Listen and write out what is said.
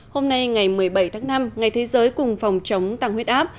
hôm nay ngày một mươi bảy tháng năm ngày thế giới cùng phòng chống tăng huyết áp